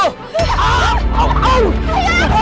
aduh kenapa kayaknya gak apa apa